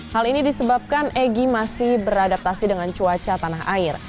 hal ini disebabkan egy masih beradaptasi dengan cuaca tanah air